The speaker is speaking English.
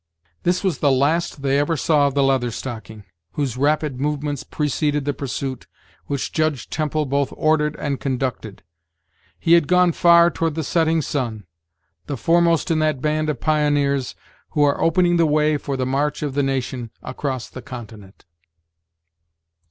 This was the last they ever saw of the Leather Stocking, whose rapid movements preceded the pursuit which Judge Temple both ordered and conducted. He had gone far toward the setting sun the foremost in that band of pioneers who are opening the way for the march of the nation across the continent.